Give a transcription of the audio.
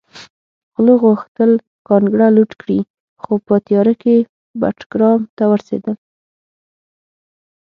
غلو غوښتل کانګړه لوټ کړي خو په تیاره کې بټګرام ته ورسېدل